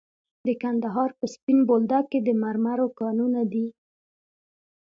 د کندهار په سپین بولدک کې د مرمرو کانونه دي.